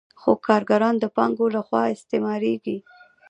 خو کارګران د پانګوال له خوا استثمارېږي